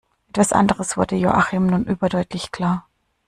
Etwas anderes wurde Joachim nun überdeutlich klar.